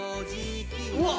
うわっ。